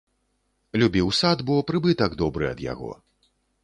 Любіў сад, бо прыбытак добры ад яго.